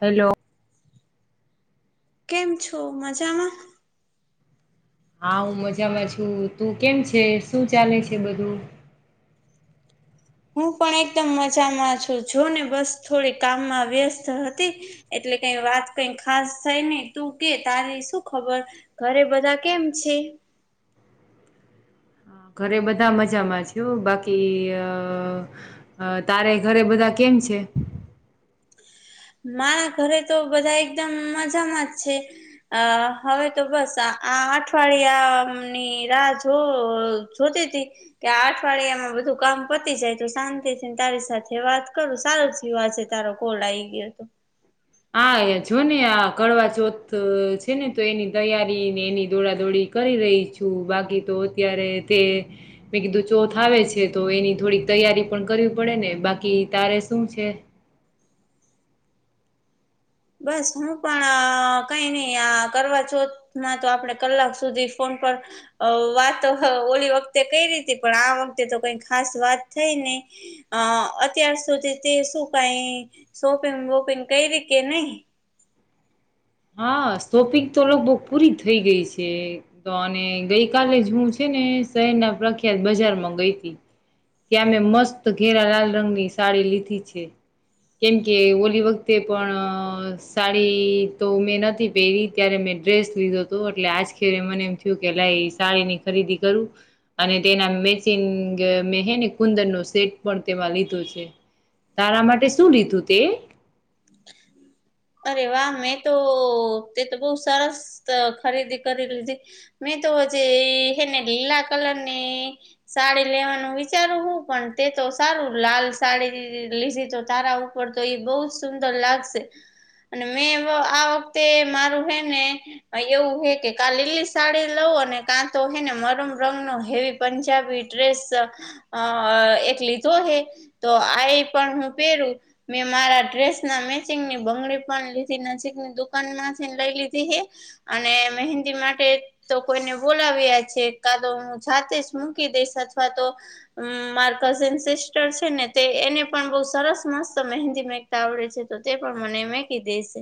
Hello કેમ છો મજામાં હા હું મજામાં છું તું કેમ છે શું ચાલે છે બધું હું પણ એકદમ મજામાં છું જો ને બસ થોડી કામમાં વ્યસ્ત હતી એટલે એટલે કઈ વાત કઈ ખાસ થાય નને તું કે તારી શું ખબર ઘરે બધા કેમ છે [inaudible] ઘરે બધા મજામાં છું બાકી તારે ઘરે બધા કેમ છે મારા ઘરે તો બધા એકદમ મજામાં જ છે અ હવે તો બસ આ અઠવાડિયાની રાહ જો જોતી હતીી કે આ અઠવાડિયામાં બધું કામ પતી જાય તો શાંતિ છેને તારી સાથે વાત કરું સારો થવા છે તારો કોલ આ આવી ગયો તો હા જો ને આ કરવાવા ચોથ છે ને તો એની તૈયારી ને એની દોડાદોડી કરી રહી છું બાકી તો અત્યારે તે મેં કીું ચોથ આવે છે તો એની થોડી તૈયારી પણ કરવી પડે ને બાકી તારે શું છે બસ હું પણ કઈ નઈ આ કરવા છોમાં તો આપડે કલાક સુધી ફોન વાતો ઓલી વખતે કઈ ર હતી પણ આ વખતે તો કઈ ખાસ વાત થઈ નઈ અ અત્યાર સુધી તે શું કઈ શોપિંગ વોપિંગ કઈ રીતે નહી હા સોપિક તો લોકો બો પૂરી થઈ ગઈ છે તો અને ગઈ કલે જ હું છે શહેર ના પ્રખ્યાત બજાર માં ગઈ હતી ત્યાં મેં મસ્ત ઘેરા લાલ રંગની સાડી લીધી છે કેમ કે ઓલી વખતે પણ સાડી તો મેં નથી પહેરી ત્યારે મેં ડ્રેસ લીધો હતો એટલે આજખરે મને એમ થયું કે લ સાડી ની ખરીદી કરું અને તેના મેચિ મેને કુંદરનો સેટ પણ તેમાં લીધો છે તારા માટે શું લીધું તે અરે વાહ મેં તો તે તો બહ સરસ ખરીદી કરી લીધી મેં તો જે એને લીલા કલર ની સાડી લેવાનું વિચારું હું પણ તે તો સારું લાલ સાડી લીધી તો તારા ઉપર તો એ બહ જ સુંદર લાગશે અને મેં આ વખતે મારું હે ને એવું હે કે કા લીલી સાડી લઉ અને કાં હને મરમ રંગ નો હેવી પંજાબી ડ્રેસ એક તો આ પણ હું પહેરું મેં મારા ડ્રેસ ના મેચિંગની બંગડી લધી નજીકની દુકાનમાંથીને લઈ લીધી હ અને મહેંદી માટે તો કોઈ બોલાવ્યા છે કા તો હું જાતે જ મૂકી દઈશ અથવા તો માર કઝન સિસ્ટર છે ને તે એને પણ બહ સરસ મસ્ત મહેંદી મેકતા આવડે છે તો તે પણ મને કે દ છે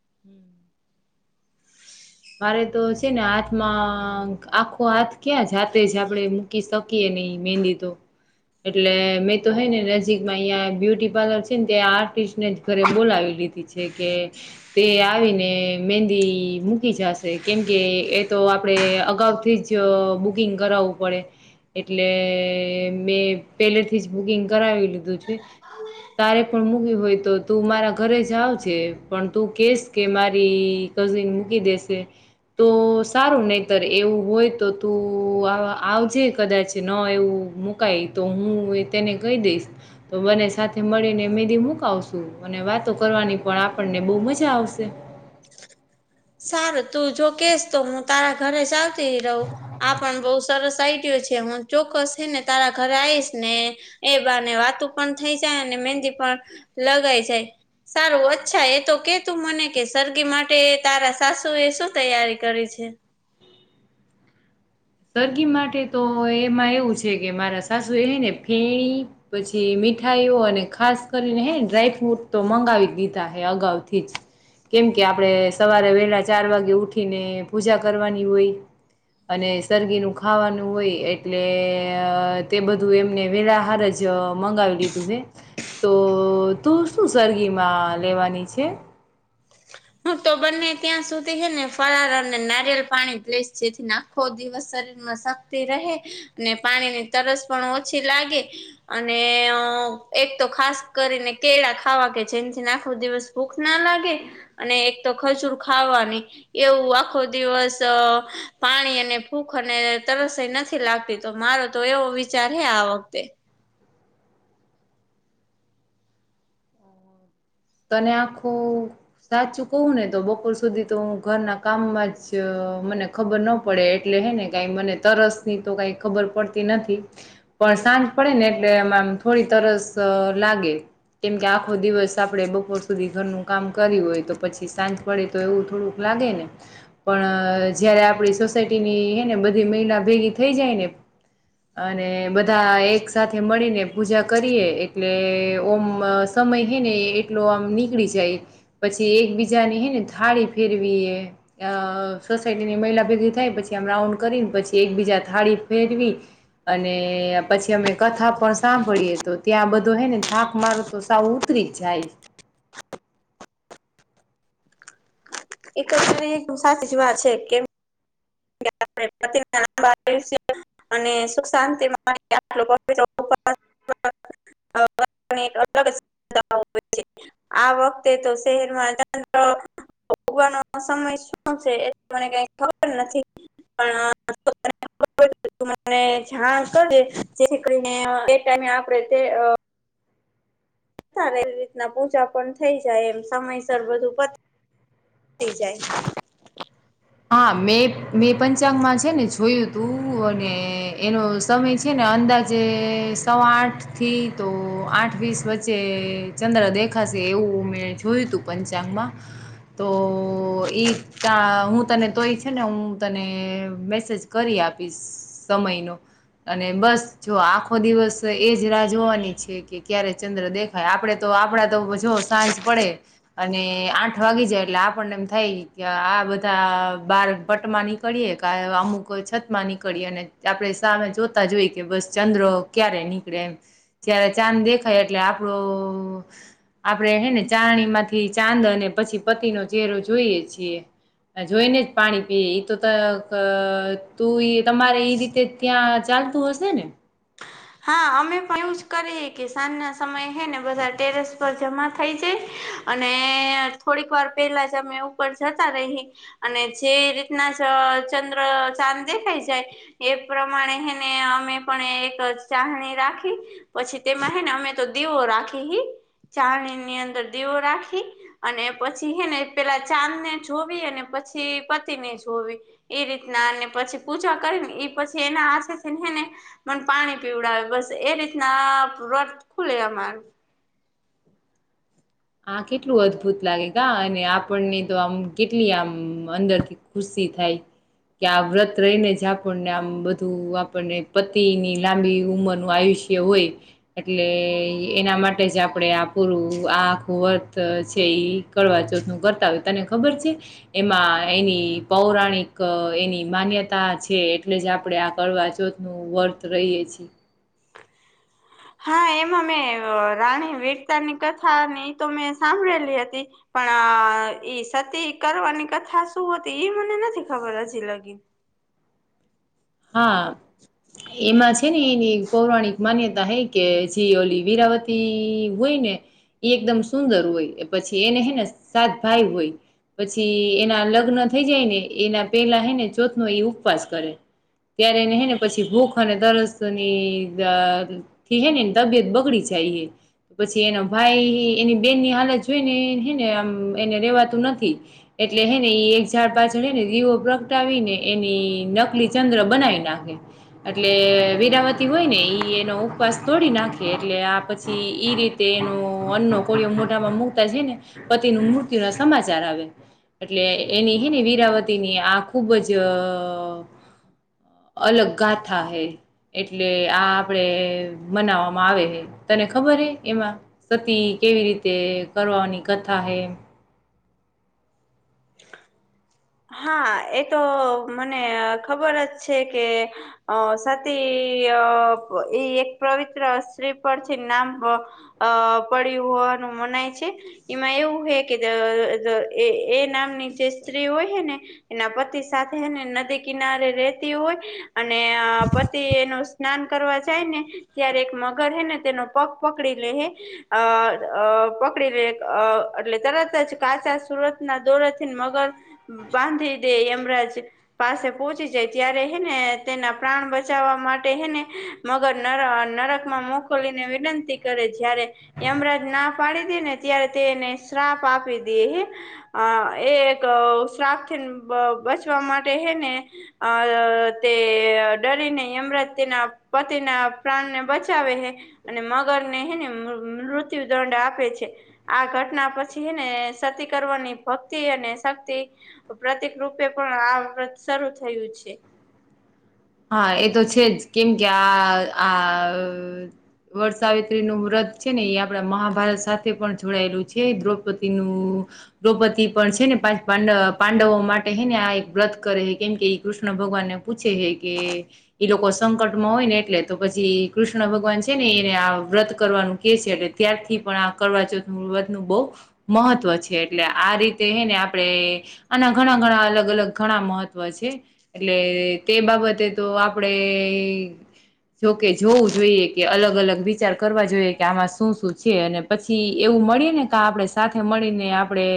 હમ મારે તો છે ને હાથમાં આખો હાથ ક્યાં જાતે જ આપડે મૂકી શકીએ નહી મેંદી તો એટલે મેં તો હય ને નજીકમાં અહિયાં બ્યુટી પાર્લર છે ને ત્યાં આર્ટિસ્ટને જ ઘરે બોલાવી કે તે આવીને મંદી મુ જશે કેમકે એ તો આપડે અગાઉથી જ બુકિંગ કરાવવું પડે એટલે મેં પેલે થી જ બુકિંગ કરાવી લીધું છું તારે પણ મૂક્યું હોય તો તું મારા ઘરે જ આવજે પણ તું કેસ કે મારી કઝિન મૂકી દેસ તો સારું નહીતર એવું હોય તો તું આવજે કદાચ ન એવું મુકાય તો હું તેને કહી દઈશ તો બને સાથે મળીને મેદી મુક આવશું અને વાતો કરવાની પણ આપણને બહુ મજા આવશે સારું તું જો કેસ તો હું તારા ઘરે ચાલતી રહું આ પણ બઉુ સરસ આઈડિયો છે હું ચોક્કસ છે ને તારા ઘરે આવીઈશ ને એ બાને વાતું પણ થઈ જાય અને મંદી પણ લગાઈ જાય સારું અચ્છા એ તો કે તું મને કે સરગી માટે તારા સાસુ એ શું તૈયારી કરી છે? સરગી માટે તો એમાં એવું છે કે મારા સાસુ એ હ ને ફેણી પછી- - મીઠાઈઓ અને ખાસ કરીને હે ડ્રાય ફ્રૂટ તો મંગાવી દીધા હે અગાઉથી જ. કેમ કે આપડણે સવારે વેલા ચાર વાગે ઉઠીને પૂજા કરવાની હોય. અને- - સરરગીનું ખાવાનું હોય એટલે તે બધું એમને વેલાહાર જ મંગાવી- - તો તું શું સરગીમાં લેવાની છે? હું તો બંને ત્યાં સુધી છે ને ફરાર અને નારિયેલ પાણી પશ જેથી નાખો દિવસ- - શરીરમાં શક્તિ રહે અને પાણીની તરસ પણ ઓછી લાગે અને- - એક તો ખાસ કરીને કેળા ખાવા કે જેમથી આખો દિવસ ભૂખ ના લાગે- - અને એક તો ખજૂર ખાવાની એવું આખો દિવસ પાણી અને ફૂખ- - અને તરસઈ નથી લાગતી તો મારો તો એવો વિચાર હે આ વખતે- - તને આખું સાચું કવું ને તો બપોર સુધી તો હું ઘરના કામમાં જ- - મને ખબર ન પડે એટલે હે ને કઈ મને તરસની તો કઈ ખબર પડતી નથી. પણ સાંજ પડે ને એટલે એમાંમ થોડી તરસ લાગે કેમકે આખો દિવસ આપ- - આપે બપોર સુધી ઘરનું કામ કર્યું હોય તો પછી સાંજ પડે તો એવું થોડુંક લાગે ને પણ- - અ જયારે આપડી સોસાયટી ની હે ને બધી મહિલા ભેગી થઈ જાય ને- - અને બધા એક સાથે મળીને પૂજા કરીએ એટલે ઓમ- - મહિ ને એટ- - એટ આમ નીકળી જાય પછી એકબીજાને હે ને થાળી ફેરવી એ- - સોસાયટીની મહિલા ભેગી થાય પછી આમ રાઉન્ડ કરી પછી એકબીજા થાળી ફેરવી- - અને પછી અમે કથા પણ સાંભળીએ - -તો ત્યાં બધો હે ને થાક માર તો સાવત જાય. એક સાચી જ વાત છે કે- - અને સુખ શાંતિ આટિત્ર- - હા. [inaudible] એક અલગ હો છે આ વખતે તો શહેરમાંંત્ર- - ભોગવાનો સમય શું છે એ મને કઈ ખબર નથી પણ- - હ. મને જાણ કરે જેથી કરીને એ ટાઈમે આપણેે તે- - અ્યારે એવી રીતના પૂજા પણ થઇ જાય એમ સમયસર બધું પ- - થ જાય. હા મે મે પંચાંગ માં છે ને જોયું તું અને એનો સમય છે ને- - અંદાજે સવા આઠ થી તો આઠ વીસ વચ્ચે ચંદ્ર દેખાશે- - એવું મેં જોયું હતું પંચાંગમાં તો એટ હું- - તને તોય છે ને હું તને મેસેજ કરી આપીશ સમયનો અને બસ જો આખો દિવસ એજ રાહ જોવાની છે, કે ક્યારે ચંદ્ર દેખાય આપડે તો આપડા તો જો સાંજ પડે અને આઠ વાગી જાય એટલે આપણને એમ થાય, કે આ બધ બાર બટમાં નીકળીએ કે અમુક છત માં નીકળીએ અને આપડે સામે જોતા જોઈ કે બસ ચંદ્ર ક્યારે નીકળે એ ત્યારે ચાંદ દેખાય એટલે આપણું આપણે હે ને ચારણી માંથી ચાંદ અને પછી પતિ નો ચહેરો જોઈએ છીએ. જોઈ ને જ પાણી પીએ તો તું તમારે એઈ રીતે ત્યાં ચાલતું હશે ને? હા, અમે પણ એવું જ કરી કે સાંજ ના સમય હે ને બધા ટેરેસ પર જમા થઈ જાય. અને થોડીક વાર પેલા જ અમે ઉપર જતા રહી અને જે રીતના ચંદ્ર ચાંદ દેખાઈ જાય એ પ્રમાણે એને અમે પણ એક ચણી રાખી પછી તેમાં હ ને અમે તો દીવો રાખી, ચાણી ની અંદર દીવો રાખી અને પછી હે ને પેલા ચાંદ ને જોવી અને પછી પતિને જોવી એ રીતનાને પછી પૂજા કરીને, એ પછી એના આસેથી પણ પાણી પીવડાવે બસ એ રીતના વ્રત ખુલે અમાર. આ કેટલું અદ્ભુત લાગે ગા અને આપણને તો આમ કેટલી આમ અંદરથી ખુશ ઈ થાય. કે આ વ્રત રહીને જ આપણને આમ બધું આપણને પતિની લાંબી ઉંમરનું આયુ છે હોય એટલે એના માટે જ આપણે પૂરું આ વ ત છે કરવાવા ચોથ નું કરતા હોય તને ખબર છે એમાં એની [unintelligible] પૌરાણિક એની માન્યતા છે એટલે જ આપણે આ કરવા ચોથ નું વર્થ રહીય છીએ. [inaudible] હા એમાં મેં રાણી વીરતાની કથા ની તો મેં સાંભળેલી હતી. પણ આ ઈ સતી કરવાની કથા શું હતી એ મને નથી ખબર હજી લગી? હા એમાં છે ને એની પૌરાણિક માન્યતા ત હે કે જી ઓલી વીરાવતી હોય ને. એ એકદમ સુંદર હોય પછી એને હેને સાતભાઈ હોય. પછી એના લગ્ન થઈ જાય ને એના પેલા હે ને ચોથ ન એ ઉપવાસ કરે. ત્યારે એને હે ને પછી ભૂખ અને તરસ ની અ થી હે ને તબિયત બગડી જાય [unintelligible] પછી એનો ભાઈ એની બેનની હાલત જોઈ ને હેને આમ એને રેવાતું નથી. એટલે હે ને ઈ એક ઝાડ પાછળને દીવો પ્રગટાવી ને એની નકલી ચંદ્ર બનાવી નાખે એટલે વેરાવતી હોય ને ઈ એનો ઉપવાસ તોડી નાખે એટલે આ પછી ઈ રીતે એનો અન્નો કોળિયો મોઢામાં મુકતા જ ને પતિ નું મૃત્યુ ના સમાચાર આ આવે એટલે એની હે ને વીરાવતી ની આ ખુબ જ અલગાથા હૈ! એટલે આ આપડે મનાવામાં આવે તને ખબર હે એમાં સતી કેવી રીતે કરવાની કથા હે? હા, એ તો મને ખબર જ છે કે અ સતી અઅ એ એક પવિત્ર સ્ત્રી પરથીન નામ અ પડ્યું. અ વાનું મનાય છે. એમાં એવું હે કે એ દ દ નામની જે સ્ત્રી હોય છે ને એના પતિ સાથે હેને નદી કિનારે રેતી હોય અને પતિએ નું સ્નાન કરવા જાય ને ત્યારે એક મગર હે ને તેનો પગ પકડી લેહે. અ અઅ પકડી લે. અઅ એટલે તરત જ કાચા સુરતના દોરેથી મગર બાંધી દે. યમરાજ પાસે પહોંચી જાય. ત્યારે હેને તેના પ્રાણ બચાવવામાં માટે હેને મગર નર-નરકમાં મોકલીને વિનંતી કરે જ્યારે યમરાજ ના પાડી દે ને ત્યારે તે એને શ્રાપ આપી દે હે. અ એ એક સાપથીન બ-બચવા માટે હે ને અ તે અ ડરીને યમરા તેના પતિના પ્રાણને બચાવે હે અને મગર ને હે ને મૃ-મૃત્યુ ડ આપે છે. આ ઘટના પછી હેને સતી કરવાની ભક્તિ અને શક્તિ પ્રતિક રૂપે પણ આ વ્રત શરૂ થયું છે. હા એ તો છે જ કેમ કે આ આ વટસાવિત્રીનું વ્રત છે ને ઈ આપડા મહાભારત સાથે પણ જોડાયેલું છે. દ્રૌપદીનું દ્રૌપદી પણ છે ને પાંચ પાંડ પાંડવો માટે હે ને આ એક વ્રત કરે છે કેમ કે કૃષ્ણ ભગવાન ને પૂછે હે. કે ઈ લોકો સંકટમાં હોય ને એટલે તો પછી કૃષ્ણ ભગવાન છે ને એને આ વ્રત કરવા કે છે એટલે ત્યારથી પણ આ કરવાચોથનું બહુ મહત્વ છે એટલે આ રીતે આપણે આના ઘણા ઘણા અલગ અલગ ઘણા મહત્વ છે. એટલે તે બાબત તે તો આપડે જોકે જોવું જોઈએ કે અલગ અલગ વિચાર કરવા જોઈએ કે આમાં શું શું છે અને પછી એવું મળીયે ને તો આપડે સાથે મળીને આપડે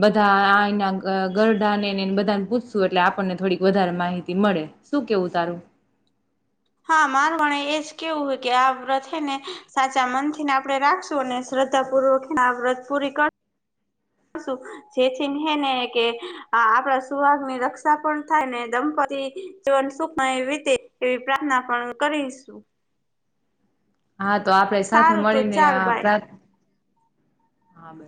બધા આઈના અ ગરઢા આને ને નેન બધાન પૂછશું એટલે આપણને થોડીક વધારે માહિતી મળે. શું કેવું તારું? હા, મારું વણે એજ કેવું હે કે આ વ્રત હેને સાચા મનથીન આપણે રાખશું અને શ્ર શ્રદધા પૂર્વકના વ્રત પુરી ક જેથી ને કે આપણા સુહાગની રક્ષા પણ થાય ને દંપત જવન સુખમય રીતે એવી પ્રાર્થના પણ કરીશું. હા, તો આપણેે સાથે સારું તો મળીને ચાલ આ બાય. પ્ર હા બે